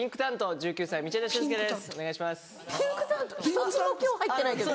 １つも今日入ってないけど。